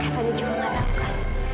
kak fadil juga gak tahu kak